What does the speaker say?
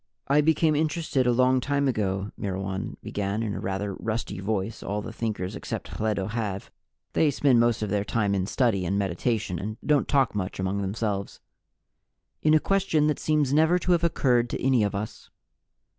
"I became interested a long time ago," Myrwan began in the rather rusty voice all the Thinkers except Hledo have they spend most of their time in study and meditation, and don't talk much among themselves "in a question that seems never to have occurred to any of Us.